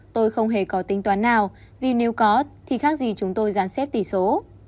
tôi không hề có tính toán nào vì nếu có thì khác gì chúng tôi gián xếp tỷ số